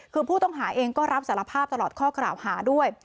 คือผู้ต้องหาเองก็รับสารภาพตลอดข้อกล่าวหาด้วย